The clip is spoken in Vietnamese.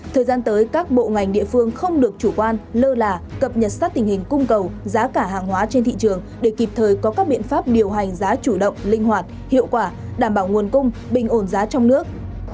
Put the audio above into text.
thời gian tới các bộ ngành địa phương không được chủ quan lơ là cập nhật sát tình hình cung cầu giá cả hàng hóa trên thị trường để kịp thời có các biện pháp điều hành giá chủ động linh hoạt hiệu quả đảm bảo nguồn cung bình ổn giá trong nước